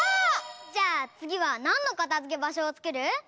じゃあつぎはなんのかたづけばしょをつくる？